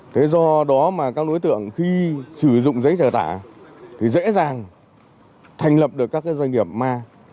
thế do đó mà các đối tượng khi sử dụng giấy trả tả thì dễ dàng thành lập được các doanh nghiệp ma